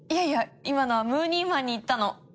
今のはムーニーマンに言ったの。